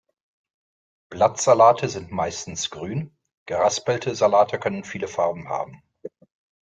Blattsalate sind meistens grün, geraspelte Salate können viele Farben haben.